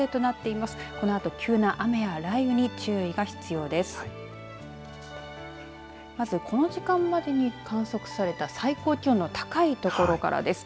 まずこの時間までに観測された最高気温の高い所からです。